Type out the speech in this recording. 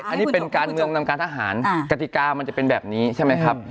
อันนี้เป็นการเมืองนำการทหารกติกามันจะเป็นแบบนี้ใช่ไหมครับ